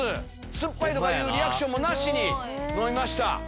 酸っぱい！とかいうリアクションもなしに飲みました。